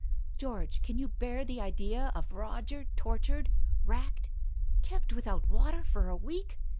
... George, can you bear the idea of Roger tortured, racked, — kept wfth out water for a week